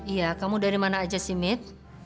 iya kamu dari mana aja sih mit